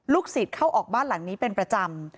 สิทธิ์เข้าออกบ้านหลังนี้เป็นประจำ